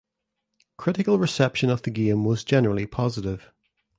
Critical reception of the game was generally positive.